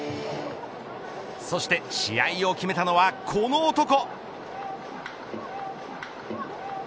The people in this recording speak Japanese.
そして試合を決めたのはこの男。